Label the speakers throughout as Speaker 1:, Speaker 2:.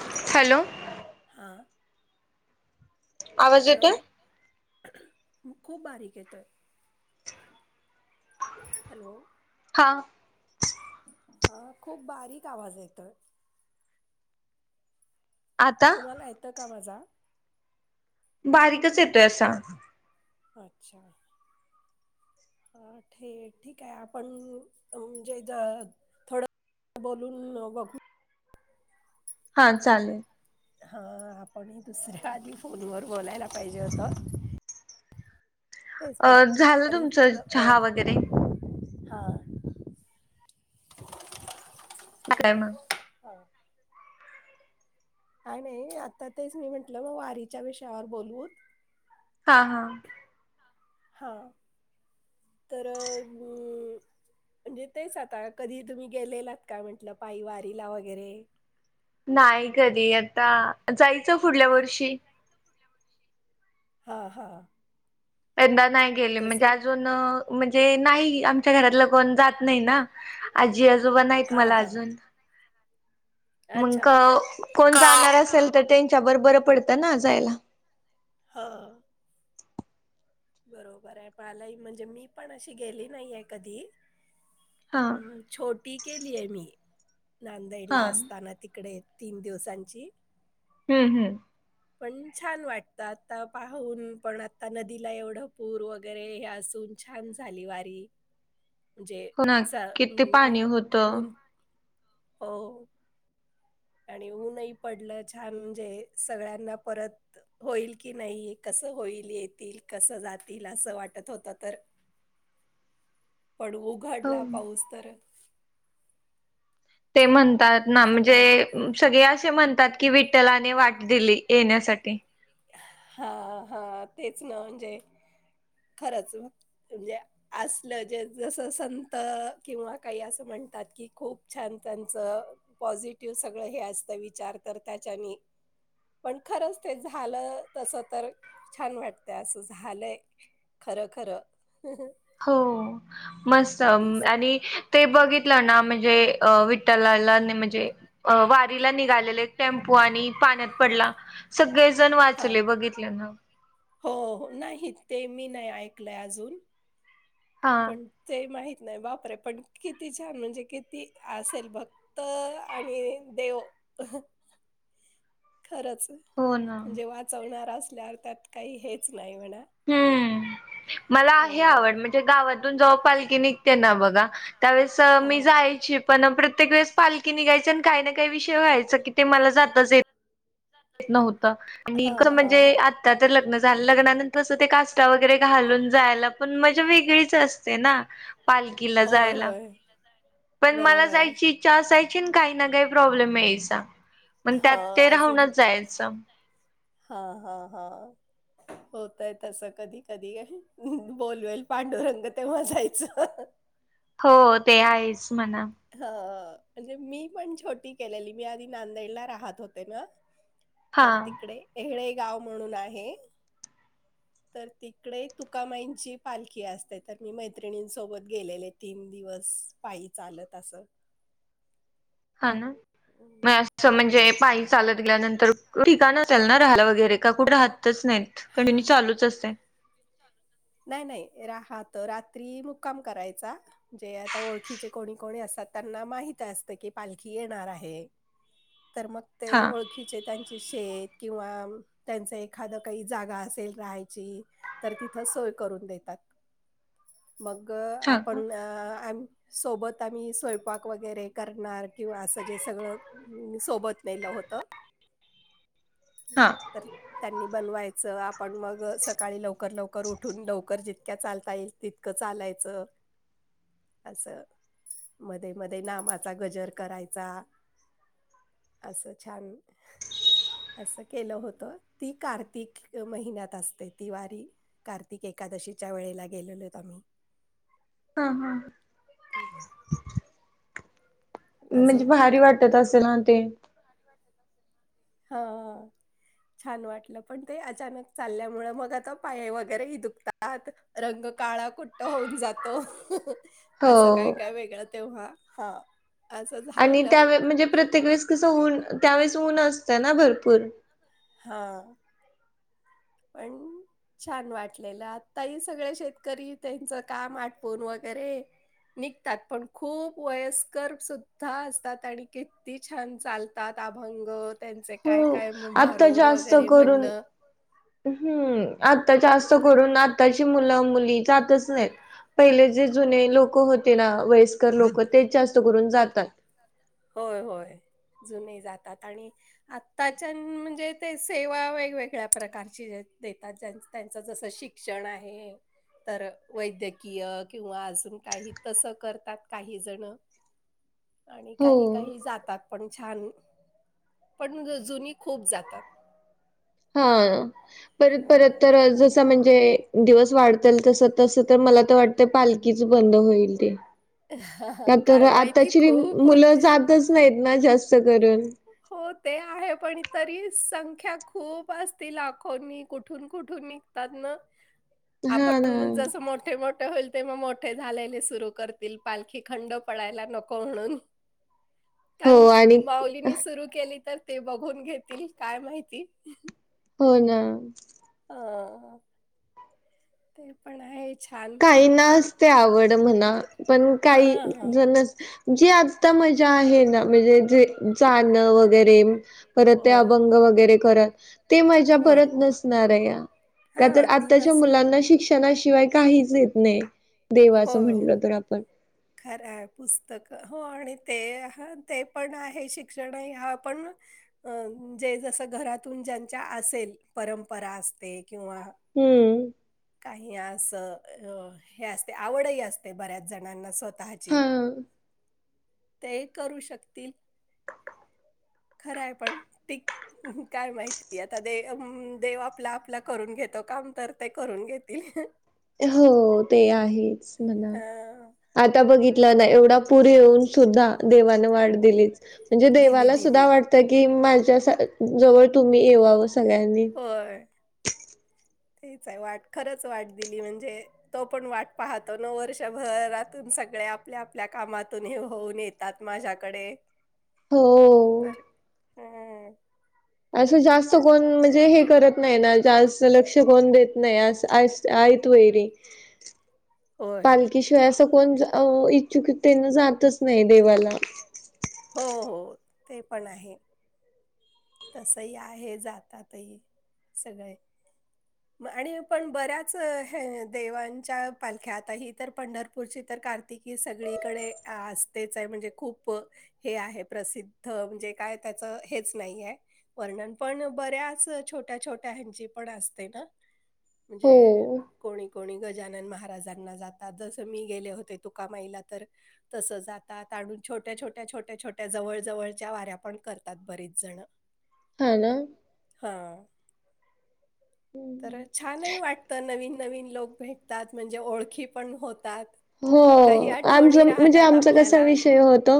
Speaker 1: Hello हा.
Speaker 2: आवाज
Speaker 1: hello
Speaker 2: येतोय?
Speaker 1: खूप बारीक आहेेतोय. [inaudible] हॅलो
Speaker 2: हा
Speaker 1: हा खूप बारीक आवाज येतोय
Speaker 2: आता
Speaker 1: तुम्हाला येतो का माझा
Speaker 2: बारीकच येतोय असा
Speaker 1: अच्छा हा ठे ठीक आहे आपण म्हणजे थोडं बोलूनं बघू
Speaker 2: हा चालेल
Speaker 1: हा आपण दुसऱ्या आधी फोनवर बोलायला पाहिजे होतं तेच म
Speaker 2: अ झालं
Speaker 1: तरी
Speaker 2: तुमचं
Speaker 1: अ
Speaker 2: चहा वगैरे
Speaker 1: हा
Speaker 2: का काय म
Speaker 1: ह काय नाही आता तेच मी म्हंटलं मग वारीच्या विषयावर बोलूत
Speaker 2: हा हा
Speaker 1: हा तर हम्म म्हणजे तेच आता कधी तुम्ही गेलेलात काय म्हटलं पाय वारीला वगैरे
Speaker 2: नाही कधी आता जायचं पुुढल्या वर्षी
Speaker 1: हां हां
Speaker 2: यंदा नाही गेले
Speaker 1: तसं
Speaker 2: म्हणजे
Speaker 1: एकदा
Speaker 2: अजून म्हणजे
Speaker 1: अं,
Speaker 2: नाही आम च्या घरातलं कोण जात नाही ना आजी आजोबा नाहीत
Speaker 1: हां
Speaker 2: मला
Speaker 1: हां.
Speaker 2: अजून
Speaker 1: अच्छा
Speaker 2: मग कोण जाणार असेल तर त्यांच्यावर बरं पडतं ना जायला
Speaker 1: हा बरोबर आहे पलाही म्हणजे मी पण अशी गेली नाहीये कधी
Speaker 2: हा
Speaker 1: छोटी केलीय मी नांदेड
Speaker 2: हा
Speaker 1: ला असताना तिकडे तीन दिवसांची
Speaker 2: हम्म हम्
Speaker 1: पण छान वाटत आता पाहून पण आता नदी तला एवढं पूर वगैरे हे असून छान झाली वारी. म्हणजे
Speaker 2: हो ना
Speaker 1: स
Speaker 2: किती पाणी होतं.
Speaker 1: ऊन हो आणि ऊनही पडलं छान म्हणजे सगळ्यांना परत होईल की नाही कस होईल येतील कसं जातील असं वाटत होत तर
Speaker 2: [inaudible]
Speaker 1: पण उघडला
Speaker 2: हो.
Speaker 1: पाऊस तर
Speaker 2: ते म्हणतात ना
Speaker 1: सगळ्यां
Speaker 2: म्हणजे सगळे असे म्हणतात की विठ्ठलाने वाट दिली येण्यासाठी,
Speaker 1: हा हा तेच ना म्हणजे खरंच म्हणजे असलं ज जस संत किंवा काही असं म्हणतात कि खूप छान त्यांच पॉझिटिव्ह सगळं हे असतं विचार कर त्याच्यानी खरच तेझा झालं तस तर छान वाटत असं झालंय खरं खरं
Speaker 2: हो मस्त
Speaker 1: दिस मस्त.
Speaker 2: आणि ते बघितलं ना म्हणजे अ
Speaker 1: अ,
Speaker 2: विठ्ठलाला म्हणजे
Speaker 1: ते
Speaker 2: अ
Speaker 1: म्हणजे
Speaker 2: वारीला निघालेले एक टेम्पो आणि पाण्यात पडला सगळेजण
Speaker 1: हा.
Speaker 2: वाचले
Speaker 1: सगळेजण
Speaker 2: बघितले
Speaker 1: वाचले
Speaker 2: ना
Speaker 1: बघितले. हो नाही ते मी नाही ऐकलंय अजून
Speaker 2: हा
Speaker 1: पण ते माहित नाही बापरे पण किती छान म्हणजे किती असेल बघ त आणि देव खरंच
Speaker 2: हो ना.
Speaker 1: म्हणजे वाचवणार असल्यावर त्यात काही हेच नाही म्हणा
Speaker 2: हम्म मला
Speaker 1: हो.
Speaker 2: आहे आवड म्हणजे गावातून जेव्हा पालखी निघते ना बघा त्यावेेळेस मी
Speaker 1: हा.
Speaker 2: जायची पण प्रत्येक वेळेस पालखी निघायची आणि काही ना काही विषय व्हायचं क ते मला जाताच नव्हत मी
Speaker 1: हा
Speaker 2: पण
Speaker 1: हा
Speaker 2: म्हणजे, आत्ता तर लग्न झालं, लग्नानंतर अस ते काष्टा वगैरे घालून जायला पण मजा वेगळीच असते ना, पालखीला
Speaker 1: होय
Speaker 2: जायला पण मला
Speaker 1: बरोबर आहे.
Speaker 2: जायची इच्छा असायची, काही ना, काही प्रॉब्लेम यायचा. मग
Speaker 1: हा
Speaker 2: त्यात
Speaker 1: पण
Speaker 2: ते
Speaker 1: अजून
Speaker 2: राहूनच जायचं.
Speaker 1: जायचं. हा. हा. हा. होतय तसं, कधी-कधी बोलवेल पांडुरंग तेव्हा जाायचं.
Speaker 2: हो, ते आहेच म्हणा
Speaker 1: हा, म्हणजे मी पण छोटी केलेली, मी आधी नांदेडला राहत होतो ना.
Speaker 2: हा
Speaker 1: तर तिकडे, एहळे गाव म्हणून आहे.
Speaker 2: [inaudible] [unintelligible]
Speaker 1: तर तिकडे तुकामाईंची पालखी असते, तर मी मैत्रिणींसोबत गेलेले तीन दिवस. पायी चालत असं
Speaker 2: हा.
Speaker 1: [unintelligible] [inaudible]
Speaker 2: अस म्हणजे, पाय चालत गेल्यानंतर, ठिकाण असेल ना राहाला वगैरे त्या कुठ राहतच नाहीत, कंटिन्यू चालूच असतय.
Speaker 1: नाही, नाही, राहात रात्री मुक्काम करायचा, म्हणजे आता ओळखीचे कोणी कोणी असतात, त्यांना माहीत असत की, पालीखी येणार आहे, तर मग ते
Speaker 2: हा
Speaker 1: ओळखीचे त्यांचे शेत, किंवा त्यांचं एखाद काही जागा असेल राहायची, तर तिथं सोय करून देतात. मग
Speaker 2: हा का
Speaker 1: आपण अ आम सोबत आम्ही स्वयंपाक वगैरे करणार, किंवा असं जे सगळं सोबत नेलं होत.
Speaker 2: [inaudible] [unintelligible] हा हा
Speaker 1: तर त्यांनी बनवायचं, आपण मग सकाळी लवकर लवकर उठून, लवकर जितक्या चालता येईल तित चालायचं
Speaker 2: [inaudible]
Speaker 1: असं, मध्ये-मध्ये नामाचा गजर करायचा. असं छान, असं केलं होत ती कार्तिक महिन्यात असते, ती वारी कार्तिक एकादशीच्या वेळेला गेलेलोत, आम्ही
Speaker 2: हा. हा.
Speaker 1: [unintelligible] [inaudible]
Speaker 2: म्हणजे
Speaker 1: अजून
Speaker 2: भारी वाटत असेल ना ते
Speaker 1: हा. हा. छान वाटलं, पण ते अचानक चालल्यामुळे मग आता पाय वगैरेही दुखतात. त्यात रंग काळा कुट्ट होऊन जातो. असं
Speaker 2: हो
Speaker 1: काय-काय वेगळं तेव्हा, हा असं
Speaker 2: आणि
Speaker 1: झालेलं
Speaker 2: त्यावे म्हणजे प्रत्येक वेळेस कसं, ऊन त्यावेेळेस ऊन असतं ना भरपूर.
Speaker 1: हा. पण छान वाटलेलं, आता हे सगळे शेतकरी, त्यांचं काम आटपून वगैरे निघतात, पण खूप वयस्कर सुद्धा असतात, आणि किती छान चाल चालतात, अभंग त्यांचे
Speaker 2: हो
Speaker 1: काय-काय
Speaker 2: आता
Speaker 1: भारुड
Speaker 2: जास्त
Speaker 1: वगैरे
Speaker 2: करून
Speaker 1: म्हणणं
Speaker 2: हम्म! आत्ता जास्त करून आताची मुलं-मुली जातच नाही. पहिले जे जुने लोक होते ना, वयस्कर लोक तेच जास्त करून जातात.
Speaker 1: होय, होय, जुने जातात. आणि आत्ताच्या म्हणजे ते सेवा वेगवेगळ्या प्रकारची देतात त्यांचं जसं शिक्षण आहे तर वैद्यकीय किंवा अजून काही तसं करतात काही जण आणि
Speaker 2: हो
Speaker 1: काही काही जातात पण छान पणजुून खूप जातात
Speaker 2: हा परत परत
Speaker 1: अ
Speaker 2: तर जसा म्हणजे दिवस वाढतो तस तस तर मला तर वाटत पालखीच बंद होईल ते का तर
Speaker 1: काय माहिती
Speaker 2: आताची
Speaker 1: खूप
Speaker 2: मुलं जातच नाहीत ना जास्त करून
Speaker 1: हो ते आहे पण तरी संख्या खूप असती लाखोनी कुठून कुठून ात ना
Speaker 2: हा ना
Speaker 1: आपण जस मोठे मोठ ठ होईल ते मग मोठे झालेले सुरू करतील पालखी खंड पडायला नको म्हणून
Speaker 2: [unintelligible]
Speaker 1: कारण
Speaker 2: आणि
Speaker 1: माऊलीनी सुरू केली तर ते बघून घेतील काय माहिती
Speaker 2: हो ना
Speaker 1: ह ते पण आहे छान
Speaker 2: काही ना असते आवड म्हणा पण
Speaker 1: हा
Speaker 2: काही
Speaker 1: हा
Speaker 2: जण जी आता मजा आहे ना म्हणजे जे चाण वगैरे परत ते
Speaker 1: होय
Speaker 2: अभंग वगैरे करत ते माजा
Speaker 1: होय
Speaker 2: परत नस
Speaker 1: हा ती
Speaker 2: आ
Speaker 1: नस
Speaker 2: मुलां श श्षणाशिवाय काहीच येत नाही
Speaker 1: हो
Speaker 2: देवाचं
Speaker 1: हो
Speaker 2: म्हटलं तर आपण
Speaker 1: खरं आहे पुस्तक हो आणि ते ते पण आहे शिक्षण ह पण अं जे जस घरातून ज्यांच्या असेल परंपरा असते किंवा
Speaker 2: हम्म
Speaker 1: काही अस हे असते आवडही असते बऱ्याच जणांना स्वतः
Speaker 2: हा
Speaker 1: ते करू शकतील खरं आहे पण ते काय माहिती आता दे देव आपला आपला करून घेतो काम तर ते करून घेत ते
Speaker 2: हो ते आहेच म्हणा
Speaker 1: अं,
Speaker 2: आता बघितलं ना एवढा पूरी येऊन सुद्धा देवाने वाट दिलीच म्हणजे
Speaker 1: दिली
Speaker 2: देवाला सुद्धा
Speaker 1: दिली
Speaker 2: वाटतं की माझ्या जवळ तुम्ही येवावं सगळ्यांनी
Speaker 1: होय तेच आहे वाट खरंच वाट दिली म्हणजे तो पण वाट पाहतो न वर्षभरातून सगळे आपल्या आपल्या कामातून हे होऊन येत तातमाझ्याकडे
Speaker 2: हो
Speaker 1: तर हा
Speaker 2: असं जास्त कोण म्हणजे हे करत नाही ना जास्त लक्ष कोण देत नाही अस आहेत वैरी [inaudible]
Speaker 1: होय.
Speaker 2: पालखीशिवाय असं कोण इच्छुकतेन जातच नाही देवाला
Speaker 1: हो हो ते पण आहे तसही आहे जातातही सगळे
Speaker 2: ह
Speaker 1: ग आणि पण बऱ्याच हे देवांच्या पालख्यात ह तर पंढरपूरची तर कार्त की सगळीकडे असतेच आहे म्हणजे खूप हे आहे प्रसिद्ध म्हणजे काय त्याच हेच नाहीये वर्णन पण बऱ्याच छोट्या छोट्या ह्यांची पण असते ना म्हणजे
Speaker 2: हो
Speaker 1: कोणी कोणी गजानन महाराजांना जातात जसं मी गेले होते तुकामाईला तर तसच आता तणून छोट्या छोट्या छोट्या छोट्या जवळ जवळच्या वाऱ्या पण करतात बरीच जण
Speaker 2: हा ना
Speaker 1: हा तर छानही वाटतं नवीन नवीन लोक भेटतात म्हणजे ओळखी पण होतात
Speaker 2: हो
Speaker 1: काही
Speaker 2: आमच
Speaker 1: आठवणी
Speaker 2: म्हणजे
Speaker 1: राहतात
Speaker 2: आमच कसा
Speaker 1: आपल्याला.
Speaker 2: विषय होत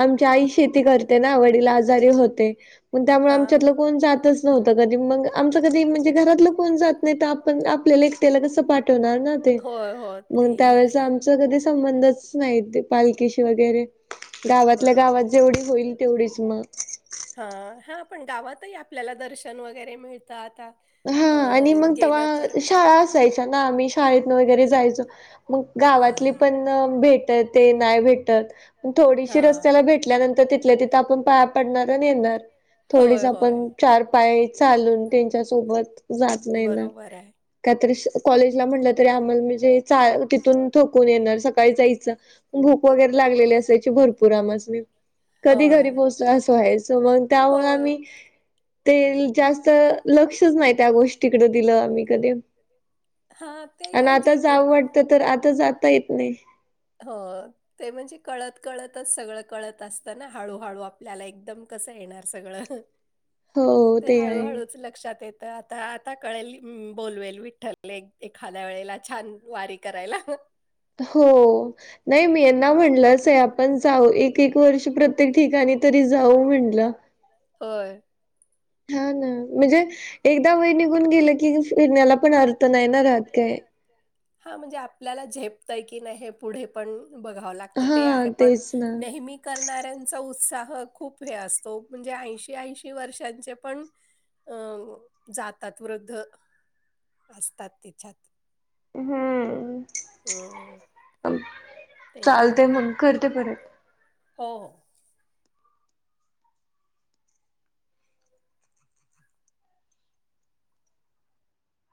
Speaker 2: आमची आई शेती करते आव आजारी हो त्यामुळे आमच्यात कोण जातच नव्हत कधी आ कधी म्हणजे घरातलं कोण जात नाही तर आपण आपल्याला एकट्याला कसं पाठवणार ना ते
Speaker 1: हो ते
Speaker 2: आम कधी संबंधच नाही पालखीशी वगैरे गावातल्या
Speaker 1: वगैरे
Speaker 2: गावात जेवढी होईल तेवढीच मग
Speaker 1: हा हा पण गावातही आपल्याला दर्शन वगैरे मिळतं आता
Speaker 2: हा
Speaker 1: अ
Speaker 2: आणि मग तेव्हा शाळा असायच्या ना आम्ही शाळेत वगैरे जायचो मग गावातली पण भेटते नाही भेट भे
Speaker 1: हा.
Speaker 2: थोडीशी रस्त्याला
Speaker 1: ते
Speaker 2: भेटल्यानंतर तिथल्या तिथ आपण पाया पडणार आणि येणार थोडीस
Speaker 1: होय
Speaker 2: आपण
Speaker 1: होय.
Speaker 2: चार पाय चालून त्यांच्या सोबत जात नाही ना
Speaker 1: बरोबर आहे
Speaker 2: कायतरी कॉलेजला म्हटलं तरी आम्हाला म्हणजे तिथून ठथोकून येणार सकाळी जायचं भूक वगैरे लागलेली असायची भरपूर आमज म कधी
Speaker 1: होय.
Speaker 2: घरी पोहोचलो असो आहे सो मग त्यामुळे
Speaker 1: होय
Speaker 2: आमही ते जास्त लक्षच नाही त्या गोष्टीकडे दिलं आम्ही कधी
Speaker 1: हा ते
Speaker 2: आणि
Speaker 1: म्हणजे
Speaker 2: आता जा आवटतं तर आता जाता येत नाही
Speaker 1: नाही. हो ते म्हणजे कळत कळतच सगळं कळत असतं ना हळूहळू आपल्याला एकदम कसं येणार सगळं
Speaker 2: हो
Speaker 1: ते
Speaker 2: आहे.
Speaker 1: हळूहळूच लक्षात येत तर आता आता कळेल बोलवेल विठ्ठलले एखाद्या वेळेला छान वारी करायला
Speaker 2: हो नाही मी यांना
Speaker 1: हम्म.
Speaker 2: म्हटलंच आहे आपण जाऊ एक एक वर्ष प्रत प्रत्येक ठिकाणी तरी जाऊ म्हंटलं
Speaker 1: होय
Speaker 2: हा ना म्हणजे एकदा वेळ निघून गेलं की फिरण्याला पण अर्थ नाही ना राहत काय
Speaker 1: हा म्हणजे आपल्याला झेपतय की नाही पुढे पण बघावं लागतं ते
Speaker 2: हा
Speaker 1: आहे पण
Speaker 2: तेच ना.
Speaker 1: नेहमी करणाऱ्यांचा उत्साह खूप हे असतो म्हणजे ऐशी ऐशी वर्षांचे पण अ जातात वृद्ध असतात त्याच्यात
Speaker 2: हम्म
Speaker 1: हम तेही
Speaker 2: चालते
Speaker 1: आहे
Speaker 2: मग करते परत.
Speaker 1: हो